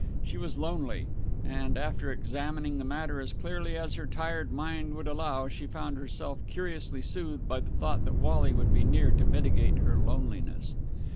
She was lonely, and, after examining the matter as clearly as her tired mind would allow, she found herself curiously soothed by the thought that Wally would be near to mitigate her loneliness.